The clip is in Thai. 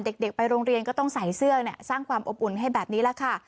เด็กไปโรงเรียนก็ต้องใส่เสื้อสร้างความอบอุ่นให้แบบนี้แหละค่ะ